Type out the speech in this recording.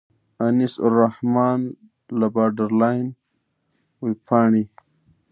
انیس الرحمن له باډرلاین وېبپاڼې.